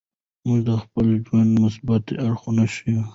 موږ د خپل ژوند مثبت اړخونه ښیو.